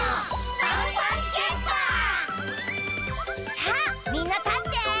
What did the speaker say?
さあみんな立って！